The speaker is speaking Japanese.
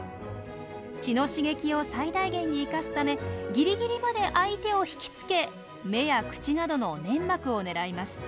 血の刺激を最大限に生かすためギリギリまで相手を引きつけ目や口などの粘膜を狙います。